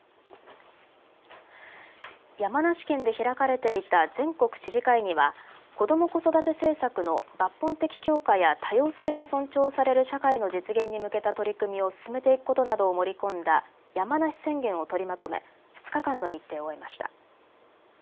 山梨県で開かれていた全国知事会議は子ども・子育て政策の抜本的強化や多様性が尊重される社会の実現に向けた取り組みを進めていくことなどを盛り込んだ山梨宣言を取りまとめ２日間の日程を終えました。